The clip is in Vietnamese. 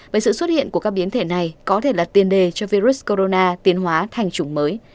với sự xuất hiện của các biến thể này có thể là tiền đề cho virus corona tiến hóa thành chủng mới